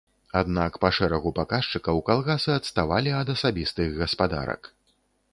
Аднак па шэрагу паказчыкаў калгасы адставалі ад асабістых гаспадарак.